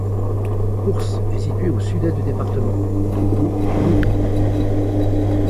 Hours est située au sud-est du département, entre Pau et Lourdes.